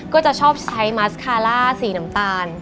ก็จะชอบใช้สีน้ำตาล